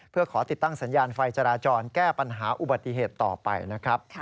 เพื่อขอติดตั้งสัญญาณไฟจราจรแก้ปัญหาอุบัติเหตุต่อไปนะครับ